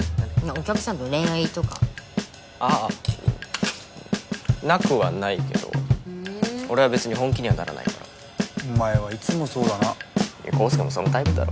お客さんと恋愛とかあぁなくはないけどふん俺は別に本気にはならないからお前はいつもそうだな康祐もそのタイプだろ